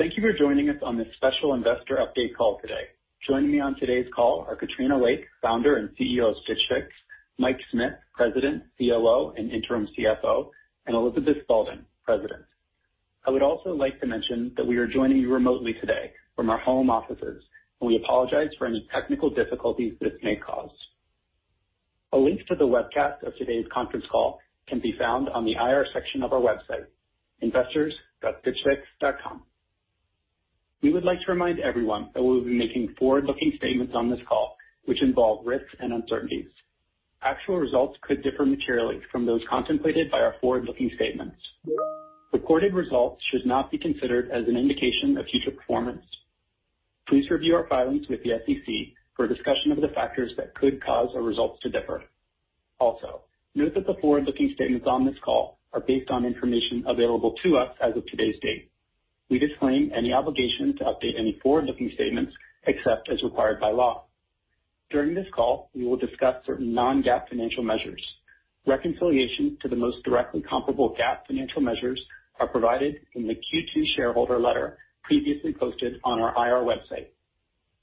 Thank you for joining us on this special investor update call today. Joining me on today's call are Katrina Lake, Founder and CEO of Stitch Fix; Mike Smith, President, COO, and interim CFO; and Elizabeth Spaulding, President. I would also like to mention that we are joining you remotely today from our home offices, and we apologize for any technical difficulties this may cause. A link to the webcast of today's conference call can be found on the IR section of our website, investors.stitchfix.com. We would like to remind everyone that we will be making forward-looking statements on this call, which involve risks and uncertainties. Actual results could differ materially from those contemplated by our forward-looking statements. Recorded results should not be considered as an indication of future performance. Please review our filings with the SEC for a discussion of the factors that could cause our results to differ. Also, note that the forward-looking statements on this call are based on information available to us as of today's date. We disclaim any obligation to update any forward-looking statements except as required by law. During this call, we will discuss certain non-GAAP financial measures. Reconciliation to the most directly comparable GAAP financial measures are provided in the Q2 shareholder letter previously posted on our IR website.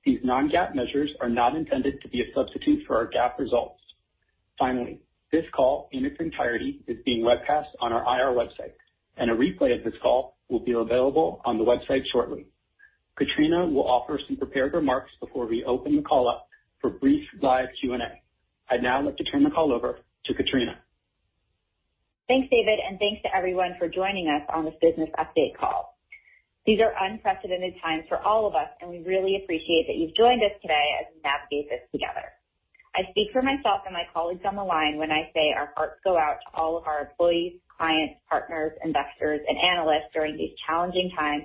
These non-GAAP measures are not intended to be a substitute for our GAAP results. Finally, this call in its entirety is being webcast on our IR website, and a replay of this call will be available on the website shortly. Katrina will offer some prepared remarks before we open the call up for brief live Q&A. I'd now like to turn the call over to Katrina. Thanks, David, and thanks to everyone for joining us on this business update call. These are unprecedented times for all of us, and we really appreciate that you've joined us today as we navigate this together. I speak for myself and my colleagues on the line when I say our hearts go out to all of our employees, clients, partners, investors, and analysts during these challenging times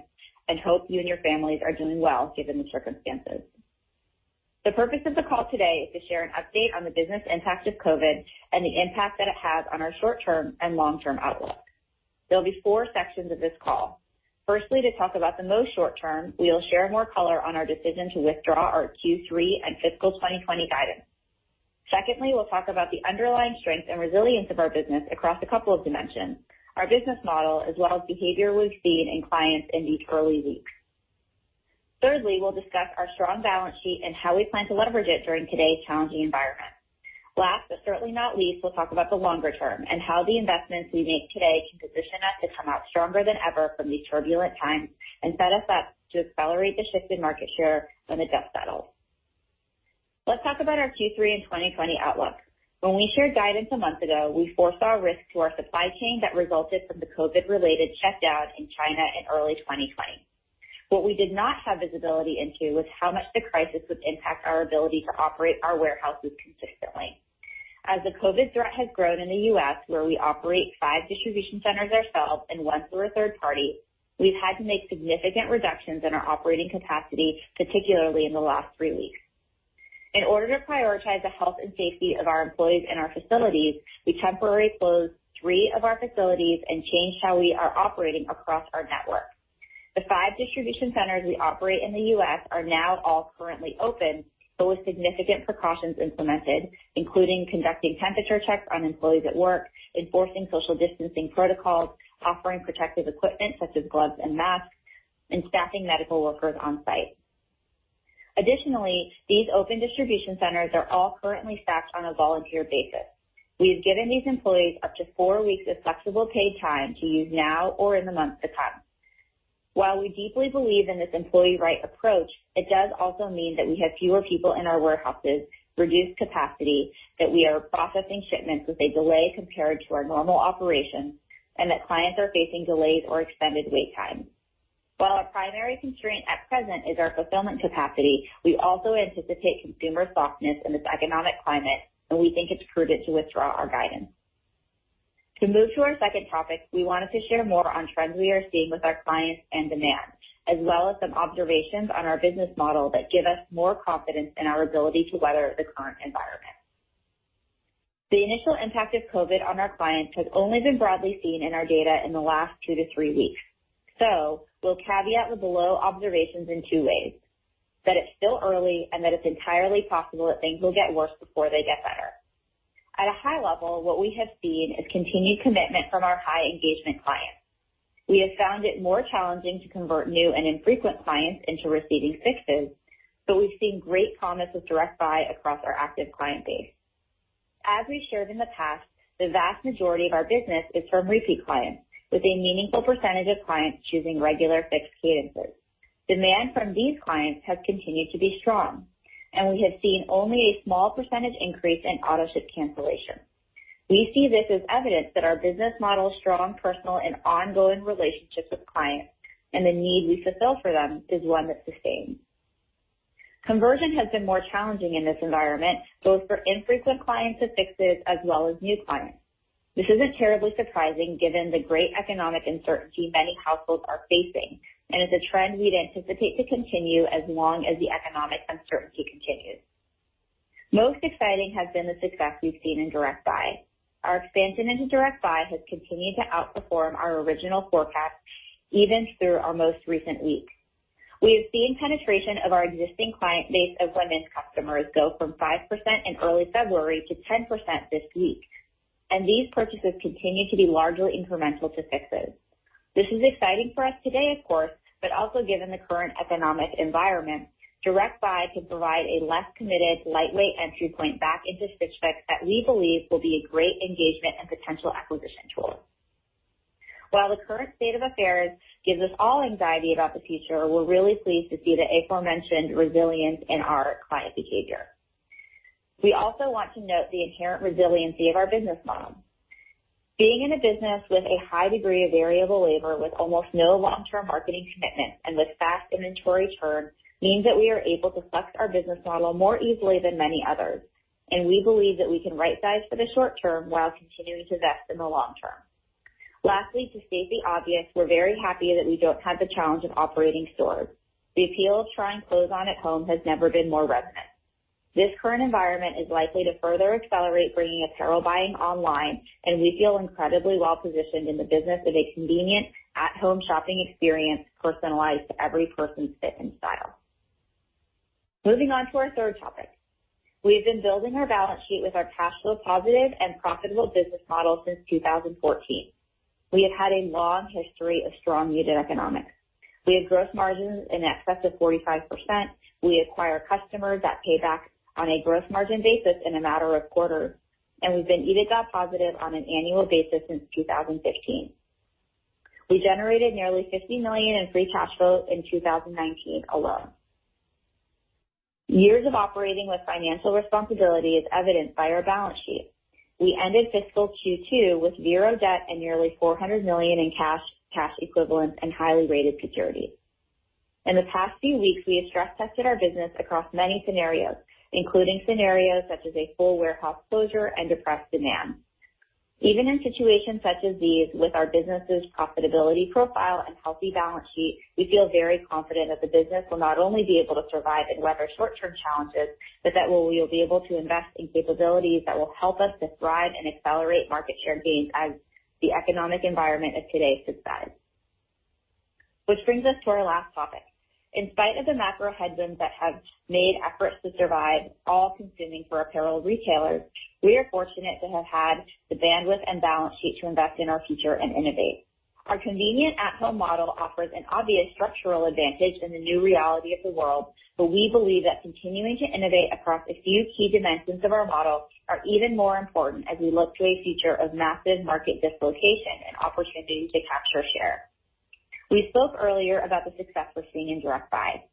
and hope you and your families are doing well given the circumstances. The purpose of the call today is to share an update on the business impact of COVID and the impact that it has on our short-term and long-term outlook. There'll be four sections of this call. Firstly, to talk about the most short-term, we'll share more color on our decision to withdraw our Q3 and fiscal 2020 guidance. Secondly, we'll talk about the underlying strength and resilience of our business across a couple of dimensions: our business model, as well as behavior we've seen in clients in these early weeks. Thirdly, we'll discuss our strong balance sheet and how we plan to leverage it during today's challenging environment. Last, but certainly not least, we'll talk about the longer term and how the investments we make today can position us to come out stronger than ever from these turbulent times and set us up to accelerate the shift in market share when the dust settles. Let's talk about our Q3 and 2020 outlook. When we shared guidance a month ago, we foresaw risk to our supply chain that resulted from the COVID-related shutdown in China in early 2020. What we did not have visibility into was how much the crisis would impact our ability to operate our warehouses consistently. As the COVID threat has grown in the U.S., where we operate five distribution centers ourselves and one through a third party, we've had to make significant reductions in our operating capacity, particularly in the last three weeks. In order to prioritize the health and safety of our employees and our facilities, we temporarily closed three of our facilities and changed how we are operating across our network. The five distribution centers we operate in the U.S. are now all currently open, but with significant precautions implemented, including conducting temperature checks on employees at work, enforcing social distancing protocols, offering protective equipment such as gloves and masks, and staffing medical workers on site. Additionally, these open distribution centers are all currently staffed on a volunteer basis. We have given these employees up to four weeks of flexible paid time to use now or in the months to come. While we deeply believe in this employee-right approach, it does also mean that we have fewer people in our warehouses, reduced capacity, that we are processing shipments with a delay compared to our normal operations, and that clients are facing delays or extended wait times. While our primary constraint at present is our fulfillment capacity, we also anticipate consumer softness in this economic climate, and we think it's prudent to withdraw our guidance. To move to our second topic, we wanted to share more on trends we are seeing with our clients and demand, as well as some observations on our business model that give us more confidence in our ability to weather the current environment. The initial impact of COVID on our clients has only been broadly seen in our data in the last two to three weeks. So we'll caveat the below observations in two ways: that it's still early and that it's entirely possible that things will get worse before they get better. At a high level, what we have seen is continued commitment from our high-engagement clients. We have found it more challenging to convert new and infrequent clients into receiving Fixes, but we've seen great promise with direct-buy across our active client base. As we've shared in the past, the vast majority of our business is from repeat clients, with a meaningful percentage of clients choosing regular Fix cadences. Demand from these clients has continued to be strong, and we have seen only a small percentage increase in auto-ship cancellation. We see this as evidence that our business model's strong personal and ongoing relationships with clients and the need we fulfill for them is one that sustains. Conversion has been more challenging in this environment, both for infrequent clients to Fixes as well as new clients. This isn't terribly surprising given the great economic uncertainty many households are facing, and it's a trend we'd anticipate to continue as long as the economic uncertainty continues. Most exciting has been the success we've seen in direct-buy. Our expansion into direct-buy has continued to outperform our original forecast even through our most recent week. We have seen penetration of our existing client base of women's customers go from 5% in early February to 10% this week, and these purchases continue to be largely incremental to Fixes. This is exciting for us today, of course, but also given the current economic environment, direct-buy can provide a less committed, lightweight entry point back into Stitch Fix that we believe will be a great engagement and potential acquisition tool. While the current state of affairs gives us all anxiety about the future, we're really pleased to see the aforementioned resilience in our client behavior. We also want to note the inherent resiliency of our business model. Being in a business with a high degree of variable labor, with almost no long-term marketing commitment and with fast inventory churn means that we are able to flex our business model more easily than many others, and we believe that we can right-size for the short term while continuing to invest in the long term. Lastly, to state the obvious, we're very happy that we don't have the challenge of operating stores. The appeal of trying clothes on at home has never been more resonant. This current environment is likely to further accelerate bringing apparel buying online, and we feel incredibly well-positioned in the business of a convenient at-home shopping experience personalized to every person's fit and style. Moving on to our third topic, we have been building our balance sheet with our cash flow positive and profitable business model since 2014. We have had a long history of strong unit economics. We have gross margins in excess of 45%. We acquire customers that pay back on a gross margin basis in a matter of quarters, and we've been EBITDA positive on an annual basis since 2015. We generated nearly $50 million in free cash flow in 2019 alone. Years of operating with financial responsibility is evident by our balance sheet. We ended fiscal Q2 with zero debt and nearly $400 million in cash equivalents and highly rated securities. In the past few weeks, we have stress-tested our business across many scenarios, including scenarios such as a full warehouse closure and depressed demand. Even in situations such as these, with our business's profitability profile and healthy balance sheet, we feel very confident that the business will not only be able to survive and weather short-term challenges, but that we will be able to invest in capabilities that will help us to thrive and accelerate market share gains as the economic environment of today subsides. Which brings us to our last topic. In spite of the macro headwinds that have made efforts to survive all-consuming for apparel retailers, we are fortunate to have had the bandwidth and balance sheet to invest in our future and innovate. Our convenient at-home model offers an obvious structural advantage in the new reality of the world, but we believe that continuing to innovate across a few key dimensions of our model is even more important as we look to a future of massive market dislocation and opportunity to capture share. We spoke earlier about the success we're seeing in direct-buy.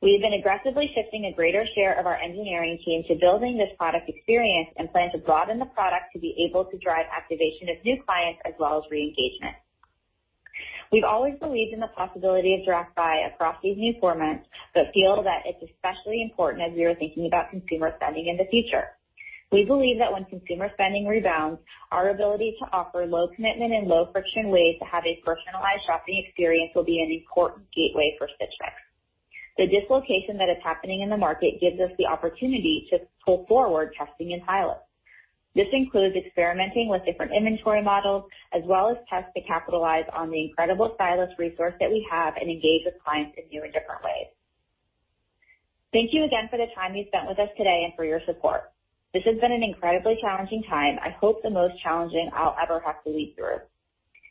We have been aggressively shifting a greater share of our engineering team to building this product experience and plan to broaden the product to be able to drive activation of new clients as well as re-engagement. We've always believed in the possibility of direct-buy across these new formats but feel that it's especially important as we are thinking about consumer spending in the future. We believe that when consumer spending rebounds, our ability to offer low-commitment and low-friction ways to have a personalized shopping experience will be an important gateway for Stitch Fix. The dislocation that is happening in the market gives us the opportunity to pull forward testing and pilots. This includes experimenting with different inventory models as well as tests to capitalize on the incredible stylist resource that we have and engage with clients in new and different ways. Thank you again for the time you've spent with us today and for your support. This has been an incredibly challenging time. I hope the most challenging I'll ever have to lead through.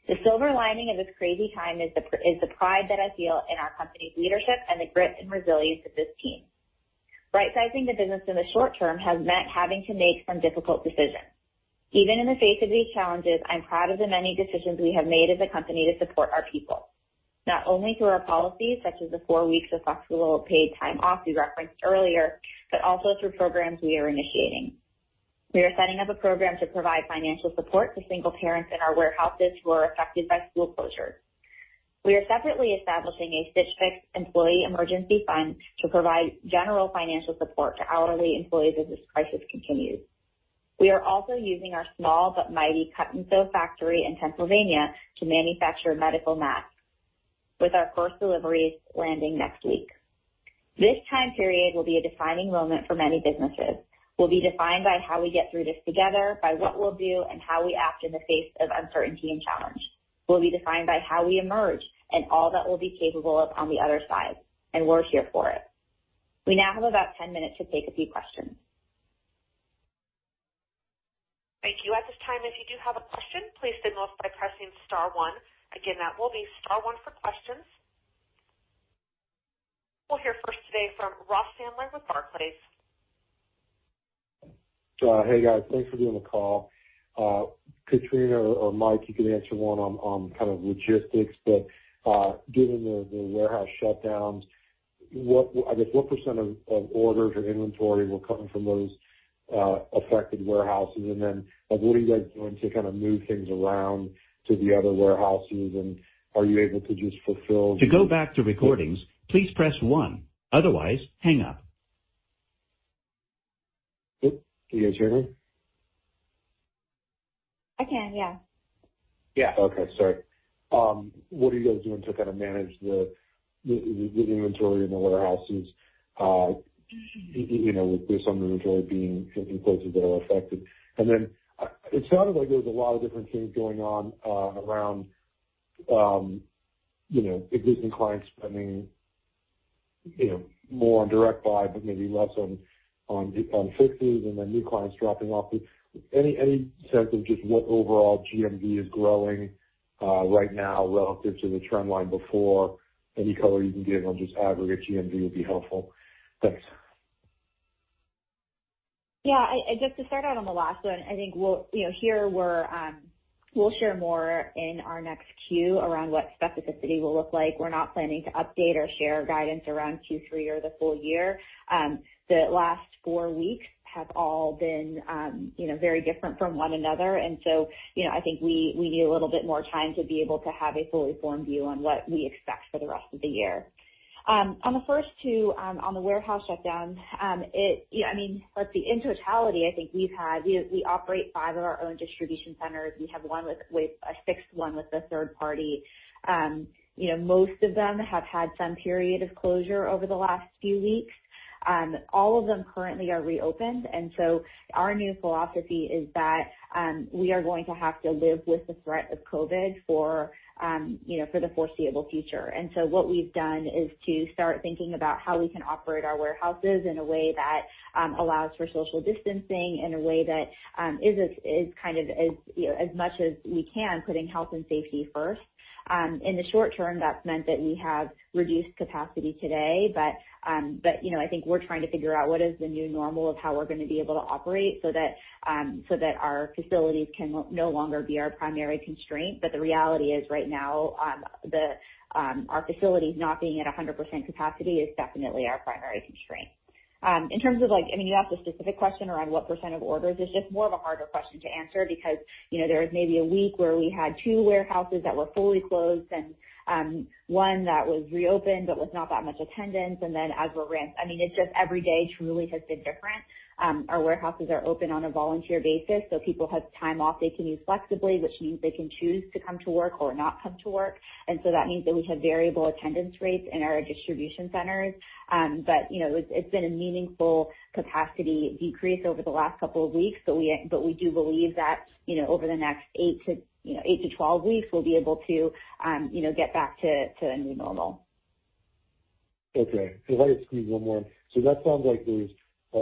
The silver lining of this crazy time is the pride that I feel in our company's leadership and the grit and resilience of this team. Right-sizing the business in the short term has meant having to make some difficult decisions. Even in the face of these challenges, I'm proud of the many decisions we have made as a company to support our people, not only through our policies such as the four weeks of flexible paid time off we referenced earlier, but also through programs we are initiating. We are setting up a program to provide financial support to single parents in our warehouses who are affected by school closures. We are separately establishing a Stitch Fix employee emergency fund to provide general financial support to hourly employees as this crisis continues. We are also using our small but mighty cut-and-sew factory in Pennsylvania to manufacture medical masks, with our first deliveries landing next week. This time period will be a defining moment for many businesses. We'll be defined by how we get through this together, by what we'll do, and how we act in the face of uncertainty and challenge. We'll be defined by how we emerge and all that we'll be capable of on the other side, and we're here for it. We now have about 10 minutes to take a few questions. Thank you. At this time, if you do have a question, please signal us by pressing star one. Again, that will be star one for questions. We'll hear first today from Ross Sandler with Barclays. Hey, guys. Thanks for doing the call. Katrina or Mike, you could answer one on kind of logistics, but given the warehouse shutdowns, I guess what percent of orders or inventory were coming from those affected warehouses? And then what are you guys doing to kind of move things around to the other warehouses? And are you able to just fulfill? To go back to recordings, please press one. Otherwise, hang up. Can you guys hear me? I can, yeah. Yeah. Okay. Sorry. What are you guys doing to kind of manage the inventory in the warehouses, with some inventory being in places that are affected? And then it sounded like there was a lot of different things going on around existing clients spending more on direct-buy, but maybe less on Fixes, and then new clients dropping off. Any sense of just what overall GMV is growing right now relative to the trend line before? Any color you can give on just aggregate GMV would be helpful. Thanks. Yeah. Just to start out on the last one, I think here we'll share more in our next Q around what specificity will look like. We're not planning to update or share guidance around Q3 or the full year. The last four weeks have all been very different from one another, and so I think we need a little bit more time to be able to have a fully formed view on what we expect for the rest of the year. On the first two, on the warehouse shutdown, I mean, let's see. In totality, I think we've had. We operate five of our own distribution centers. We have one with Fix, one with a third party. Most of them have had some period of closure over the last few weeks. All of them currently are reopened, and so our new philosophy is that we are going to have to live with the threat of COVID for the foreseeable future. And so what we've done is to start thinking about how we can operate our warehouses in a way that allows for social distancing, in a way that is kind of as much as we can, putting health and safety first. In the short term, that's meant that we have reduced capacity today, but I think we're trying to figure out what is the new normal of how we're going to be able to operate so that our facilities can no longer be our primary constraint. But the reality is right now, our facilities not being at 100% capacity is definitely our primary constraint. In terms of, I mean, you asked a specific question around what percent of orders. It's just more of a harder question to answer because there was maybe a week where we had two warehouses that were fully closed and one that was reopened but with not that much attendance, and then as we're ramped, I mean, it's just every day truly has been different. Our warehouses are open on a volunteer basis, so people have time off they can use flexibly, which means they can choose to come to work or not come to work, and so that means that we have variable attendance rates in our distribution centers, but it's been a meaningful capacity decrease over the last couple of weeks, but we do believe that over the next eight to 12 weeks, we'll be able to get back to a new normal. Okay. Can I squeeze one more? So that sounds like there's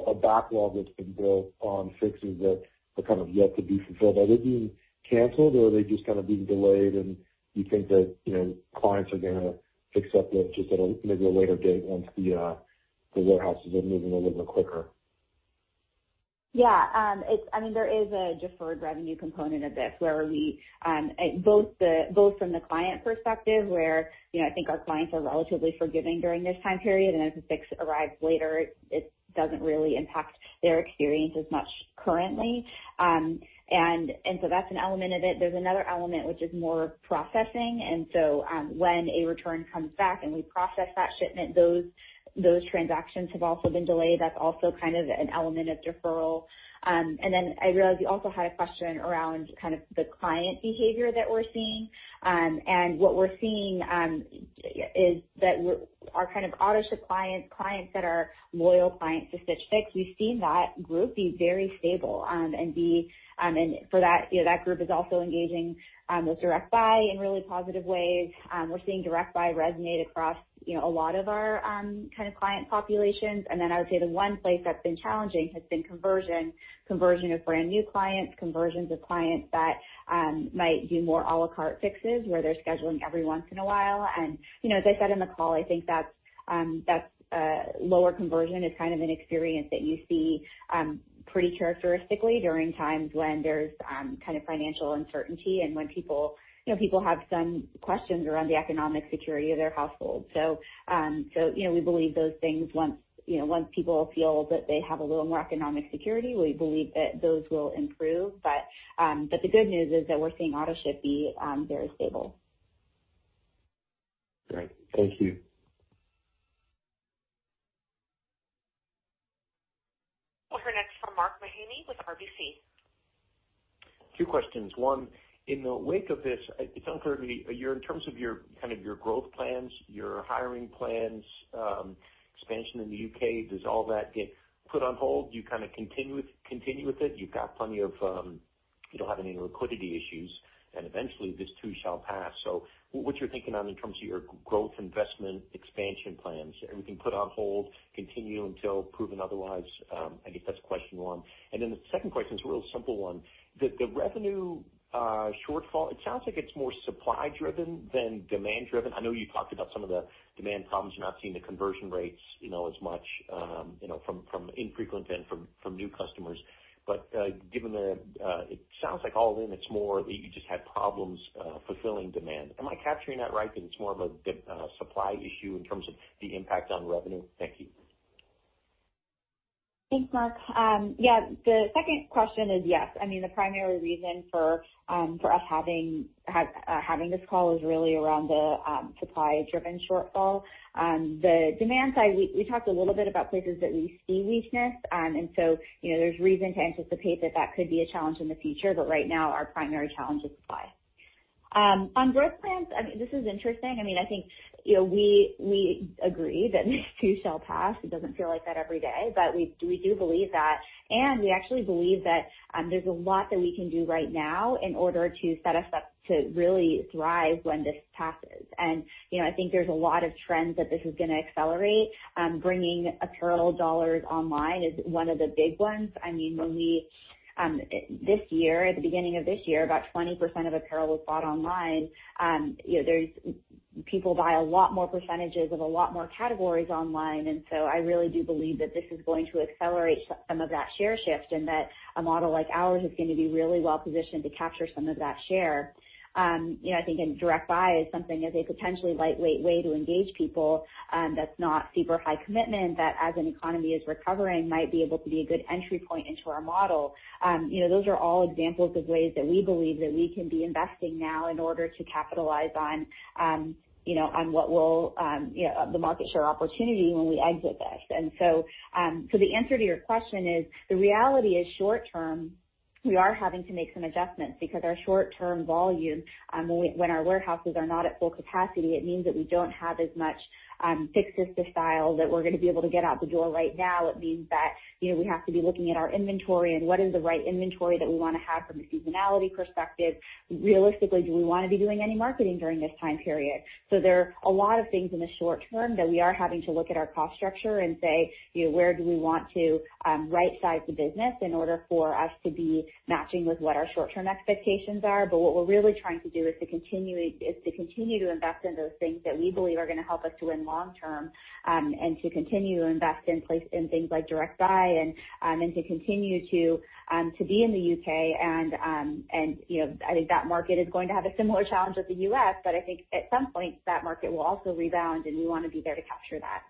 a backlog that's been built on Fixes that are kind of yet to be fulfilled. Are they being canceled, or are they just kind of being delayed, and you think that clients are going to accept them just at a maybe a later date once the warehouses are moving a little bit quicker? Yeah. I mean, there is a deferred revenue component of this where we both from the client perspective, where I think our clients are relatively forgiving during this time period, and as the Fix arrives later, it doesn't really impact their experience as much currently. And so that's an element of it. There's another element which is more processing. And so when a return comes back and we process that shipment, those transactions have also been delayed. That's also kind of an element of deferral. And then I realize you also had a question around kind of the client behavior that we're seeing. And what we're seeing is that our kind of auto-ship clients, clients that are loyal clients to Stitch Fix, we've seen that group be very stable. And for that, that group is also engaging with direct-buy in really positive ways. We're seeing direct-buy resonate across a lot of our kind of client populations. And then I would say the one place that's been challenging has been conversion, conversion of brand new clients, conversions of clients that might do more à la carte Fixes where they're scheduling every once in a while. And as I said in the call, I think that lower conversion is kind of an experience that you see pretty characteristically during times when there's kind of financial uncertainty and when people have some questions around the economic security of their household. So we believe those things, once people feel that they have a little more economic security, we believe that those will improve. But the good news is that we're seeing auto-ship be very stable. Great. Thank you. Our next from Mark Mahaney with RBC. Two questions. One, in the wake of this, it's unclear to me, in terms of kind of your growth plans, your hiring plans, expansion in the U.K., does all that get put on hold? Do you kind of continue with it? You've got plenty of you don't have any liquidity issues, and eventually this too shall pass. So what you're thinking on in terms of your growth investment expansion plans, everything put on hold, continue until proven otherwise, I guess that's question one, and then the second question is a real simple one. The revenue shortfall, it sounds like it's more supply-driven than demand-driven. I know you talked about some of the demand problems. You're not seeing the conversion rates as much from infrequent and from new customers. But given the it sounds like all in, it's more that you just had problems fulfilling demand. Am I capturing that right? That it's more of a supply issue in terms of the impact on revenue? Thank you. Thanks, Mark. Yeah. The second question is yes. I mean, the primary reason for us having this call is really around the supply-driven shortfall. The demand side, we talked a little bit about places that we see weakness, and so there's reason to anticipate that that could be a challenge in the future. But right now, our primary challenge is supply. On growth plans, I mean, this is interesting. I mean, I think we agree that this too shall pass. It doesn't feel like that every day, but we do believe that. And we actually believe that there's a lot that we can do right now in order to set us up to really thrive when this passes. And I think there's a lot of trends that this is going to accelerate. Bringing apparel dollars online is one of the big ones. I mean, this year, at the beginning of this year, about 20% of apparel was bought online. People buy a lot more percentages of a lot more categories online. And so I really do believe that this is going to accelerate some of that share shift and that a model like ours is going to be really well positioned to capture some of that share. I think direct-buy is something as a potentially lightweight way to engage people that's not super high commitment that, as an economy is recovering, might be able to be a good entry point into our model. Those are all examples of ways that we believe that we can be investing now in order to capitalize on what will be the market share opportunity when we exit this. And so the answer to your question is the reality is short term, we are having to make some adjustments because our short term volume, when our warehouses are not at full capacity, it means that we don't have as much Fixes to style that we're going to be able to get out the door right now. It means that we have to be looking at our inventory and what is the right inventory that we want to have from a seasonality perspective? Realistically, do we want to be doing any marketing during this time period? So there are a lot of things in the short term that we are having to look at our cost structure and say, "Where do we want to right-size the business in order for us to be matching with what our short term expectations are?" But what we're really trying to do is to continue to invest in those things that we believe are going to help us to win long term and to continue to invest in things like direct-buy and to continue to be in the U.K. And I think that market is going to have a similar challenge as the U.S., but I think at some point that market will also rebound, and we want to be there to capture that.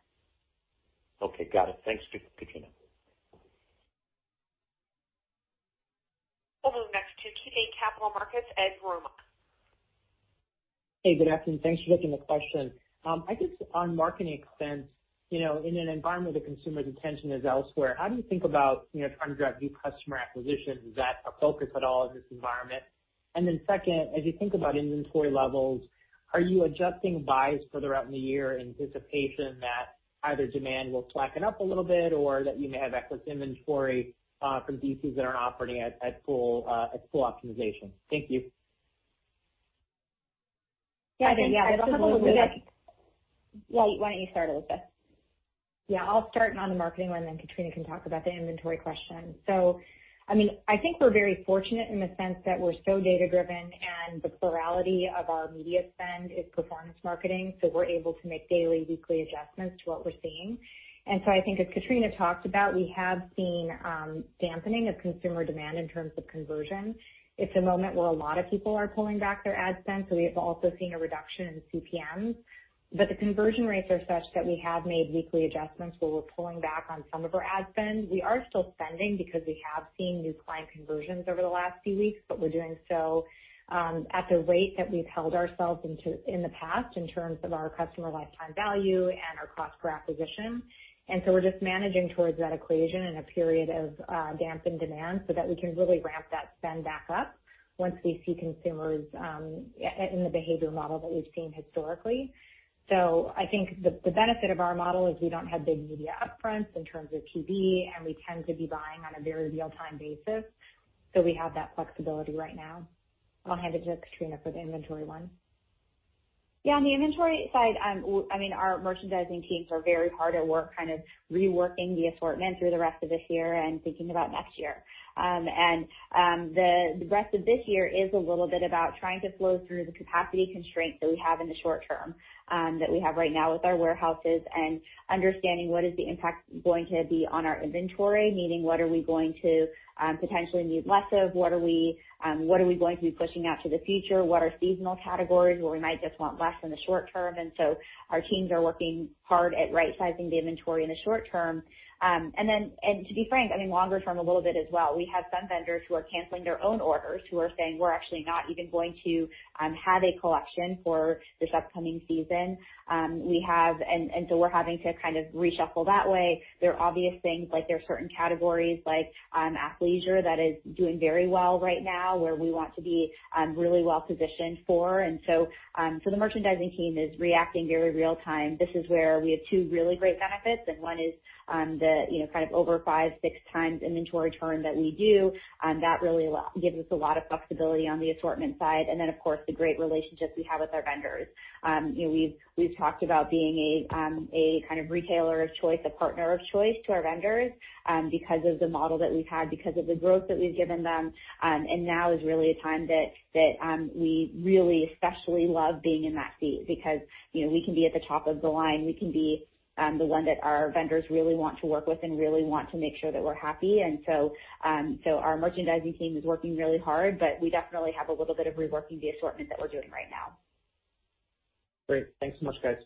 Okay. Got it. Thanks, Katrina. Over next to KeyBanc Capital Markets, Ed Yruma. Hey, good afternoon. Thanks for taking the question. I guess on marketing expense, in an environment where the consumer's attention is elsewhere, how do you think about trying to drive new customer acquisition? Is that a focus at all in this environment? And then second, as you think about inventory levels, are you adjusting buys for the rest of the year in anticipation that either demand will slacken up a little bit or that you may have excess inventory from pieces that aren't operating at full optimization? Thank you. Yeah. Why don't you start, Elizabeth? Yeah. I'll start on the marketing one, and then Katrina can talk about the inventory question. So I mean, I think we're very fortunate in the sense that we're so data-driven, and the plurality of our media spend is performance marketing, so we're able to make daily, weekly adjustments to what we're seeing. And so I think, as Katrina talked about, we have seen dampening of consumer demand in terms of conversion. It's a moment where a lot of people are pulling back their ad spend, so we have also seen a reduction in CPMs. But the conversion rates are such that we have made weekly adjustments where we're pulling back on some of our ad spend. We are still spending because we have seen new client conversions over the last few weeks, but we're doing so at the rate that we've held ourselves in the past in terms of our customer lifetime value and our cost per acquisition. We're just managing towards that equation in a period of dampened demand so that we can really ramp that spend back up once we see consumers in the behavior model that we've seen historically. I think the benefit of our model is we don't have big media upfronts in terms of TV, and we tend to be buying on a very real-time basis, so we have that flexibility right now. I'll hand it to Katrina for the inventory one. Yeah. On the inventory side, I mean, our merchandising teams are very hard at work kind of reworking the assortment through the rest of this year and thinking about next year. And the rest of this year is a little bit about trying to flow through the capacity constraints that we have in the short term that we have right now with our warehouses and understanding what is the impact going to be on our inventory, meaning what are we going to potentially need less of, what are we going to be pushing out to the future, what are seasonal categories where we might just want less in the short term. And so our teams are working hard at right-sizing the inventory in the short term. And to be frank, I mean, longer term a little bit as well. We have some vendors who are canceling their own orders, who are saying, "We're actually not even going to have a collection for this upcoming season." And so we're having to kind of reshuffle that way. There are obvious things like there are certain categories like athleisure that is doing very well right now where we want to be really well positioned for. And so the merchandising team is reacting very real-time. This is where we have two really great benefits, and one is the kind of over five, six times inventory turn that we do. That really gives us a lot of flexibility on the assortment side. And then, of course, the great relationship we have with our vendors. We've talked about being a kind of retailer of choice, a partner of choice to our vendors because of the model that we've had, because of the growth that we've given them. And now is really a time that we really especially love being in that seat because we can be at the top of the line. We can be the one that our vendors really want to work with and really want to make sure that we're happy. And so our merchandising team is working really hard, but we definitely have a little bit of reworking the assortment that we're doing right now. Great. Thanks so much, guys.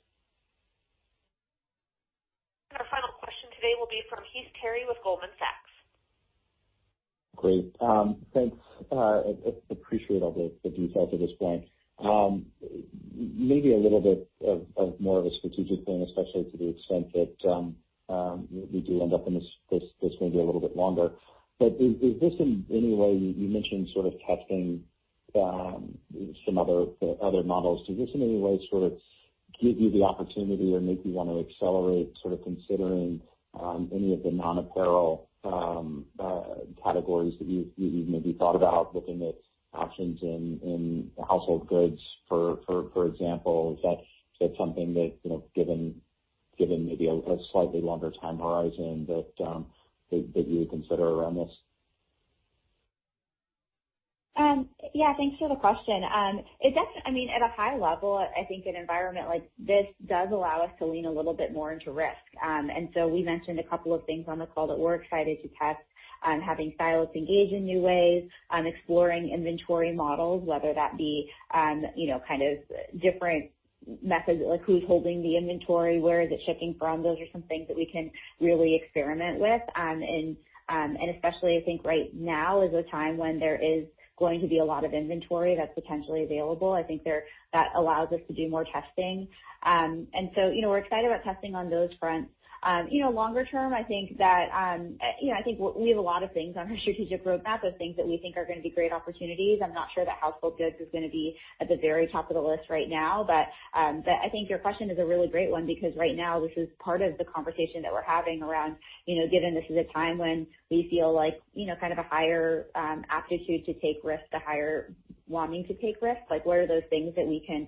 Our final question today will be from Heath Terry with Goldman Sachs. Great. Thanks. Appreciate all the details at this point. Maybe a little bit of more of a strategic thing, especially to the extent that we do end up in this maybe a little bit longer. But is this in any way you mentioned sort of testing some other models? Does this in any way sort of give you the opportunity or make you want to accelerate sort of considering any of the non-apparel categories that you've maybe thought about, looking at options in household goods, for example? Is that something that, given maybe a slightly longer time horizon, that you would consider around this? Yeah. Thanks for the question. I mean, at a high level, I think an environment like this does allow us to lean a little bit more into risk. And so we mentioned a couple of things on the call that we're excited to test: having stylists engage in new ways, exploring inventory models, whether that be kind of different methods, like who's holding the inventory, where is it shipping from. Those are some things that we can really experiment with. And especially, I think right now is a time when there is going to be a lot of inventory that's potentially available. I think that allows us to do more testing. And so we're excited about testing on those fronts. Longer term, I think we have a lot of things on our strategic roadmap of things that we think are going to be great opportunities. I'm not sure that household goods is going to be at the very top of the list right now, but I think your question is a really great one because right now, this is part of the conversation that we're having around, given this is a time when we feel like kind of a higher appetite to take risks, a higher wanting to take risks. What are those things that we can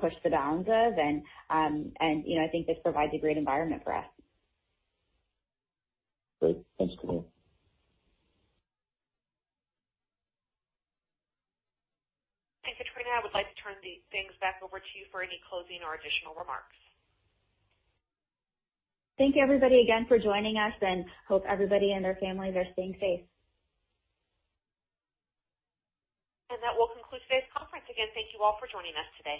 push the bounds of? And I think this provides a great environment for us. Great. Thanks, Katrina. Katrina, I would like to turn things back over to you for any closing or additional remarks. Thank you, everybody, again for joining us, and hope everybody and their families are staying safe. That will conclude today's conference. Again, thank you all for joining us today.